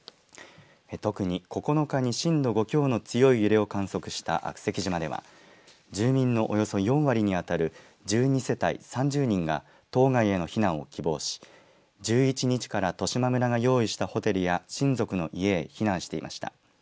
特に、９日に震度５強の強い揺れを観測した悪石島では住民のおよそ４割に当たる１２世帯３０人が島外への避難を希望し１１日から十島村が用意したホテルや親族の家へ避難しました。